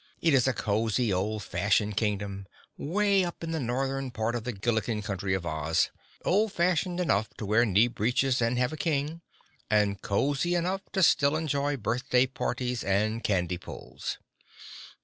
It is a cozy, old fashioned Kingdom, 'way up in the northern part of the Gilliken country of Oz; old fashioned enough to wear knee breeches and have a King and cozy enough to still enjoy birthday parties and candy pulls.